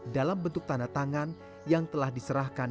dalam bentuk tanda tangan yang telah diserahkan